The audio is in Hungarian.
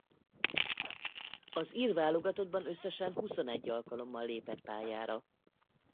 Az ír válogatottban összesen huszonegy alkalommal lépett pályára.